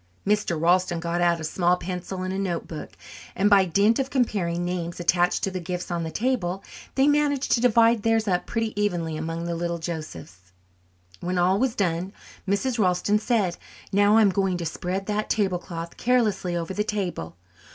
Mr. Ralston got out a small pencil and a note book, and by dint of comparing the names attached to the gifts on the table they managed to divide theirs up pretty evenly among the little Josephs. When all was done Mrs. Ralston said, "Now, I'm going to spread that tablecloth carelessly over the table.